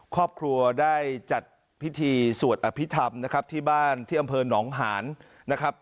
ครอบครัวได้จัดพิธีสวดอภิษฐรรมนะครับที่บ้านที่อำเภอหนองหานนะครับ